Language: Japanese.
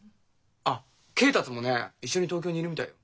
あ恵達もね一緒に東京にいるみたい。